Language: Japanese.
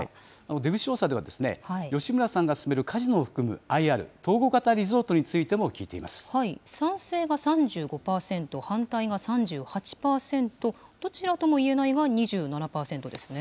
出口調査では、吉村さんが進めるカジノを含むＩＲ・統合型リゾートについても聞賛成が３５％、反対が３８％、どちらとも言えないが２７％ですね。